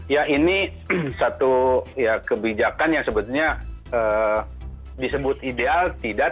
ya ini satu kebijakan yang sebetulnya disebut ideal tidak